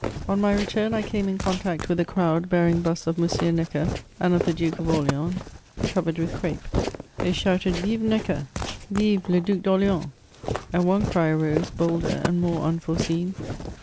On my ^tarn I came in contaqjb with a crowd bearing busts of M. Necker and of the Duke of Orleans, covered with crape ; they shouted " Vive Necker I Vive le Due cT Orleans F and one cry arose, bolder and more unforeseen.